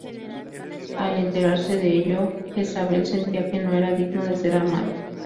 Al enterarse de ello, Jezabel sentía que no era digno de ser amado.